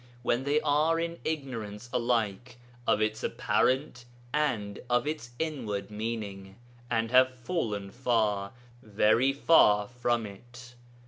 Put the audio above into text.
] when they are in ignorance alike of its apparent and of its inward meaning, and have fallen far, very far from it!